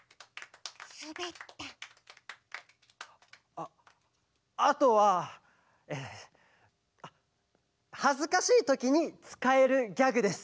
ああとはえはずかしいときにつかえるギャグです。